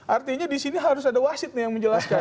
artinya di sini harus ada wasit nih yang menjelaskan